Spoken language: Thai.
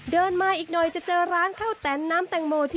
เดินมาอีกหน่อยจะเจอร้านข้าวแตนน้ำแต่งโมทิวโรยน้ำตาล